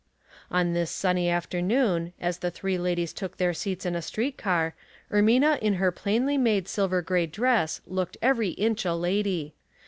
On this sunny after noon, as the three ladies took their seats in a street car, Ermina in her plainly made silver gray dress looked every inch a lady.